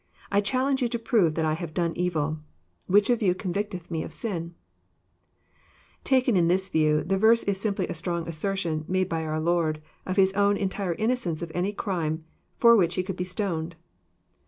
I challenge you to prove that I have done evil. Which of you convicteth Me of sin ?" Taken in this view, the verse is simply a strong assertion, made by our Lord, of His own entire innocence of any crime for which He could be stoned.